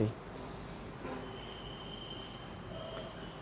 ini termasuk smartest